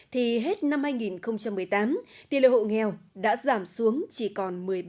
thì hết năm hai nghìn một mươi tám tỷ lệ hộ nghèo đã giảm xuống chỉ còn một mươi ba